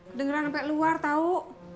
kedengeran sampe luar tau